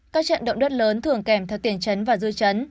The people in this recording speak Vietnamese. các trận động đất lớn thường kèm theo tiền trấn và dư chấn